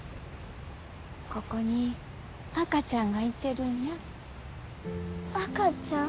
ここに赤ちゃんがいてるんや。